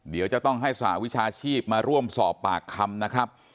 เดี๋ยวจะต้องให้สหวิชาชีพมาร่วมสอบปากคำนะครับ